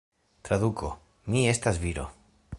Traduko: Mi estas viro.